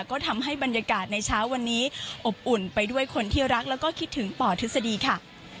ก็ทำให้บรรยากาศในเช้าวันนี้อบอุ่นไปด้วยคนที่รักแล้วก็คิดถึงปทฤษฎีค่ะ